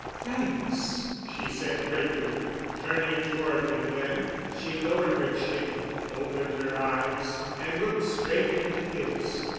"Thanks," she said gratefully. Turning toward him then, she lowered her chin, opened her eyes, and looked straight into his.